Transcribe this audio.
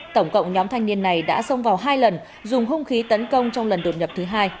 tổng cộng nhóm thanh niên này đã xông vào hai lần dùng hung khí tấn công trong lần đột nhập thứ hai